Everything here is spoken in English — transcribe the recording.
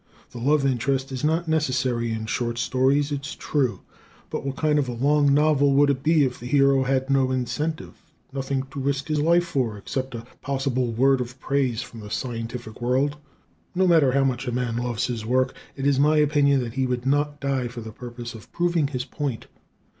The love interest is not necessary in short stories, it's true; but what kind of a long novel would it be if the hero had no incentive, nothing to risk his life for, except a possible word of praise from the scientific world? No matter how much a man loves his work it is my opinion that he would not die for the purpose of proving his point.